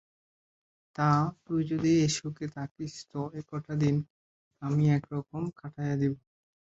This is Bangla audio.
তা তুই যদি সুখে থাকিস তো এ-কটা দিন আমি এক-রকম কাটাইয়া দিব।